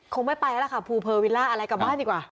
คงไม่ไปแล้วล่ะค่ะภูเพอร์วิลล่าอะไรกลับบ้านดีกว่า